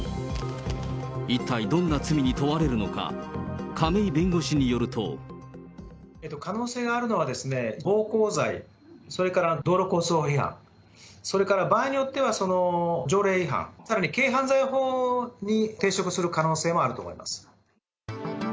一体どんな罪に問われるのか、亀井弁護士によると。可能性があるのは、暴行罪、それから道路交通法違反、それから場合によっては条例違反、さらに軽犯罪法に抵触する可能性もあると思います。